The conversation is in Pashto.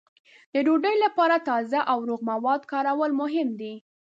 د ډوډۍ لپاره تازه او روغ مواد کارول مهم دي.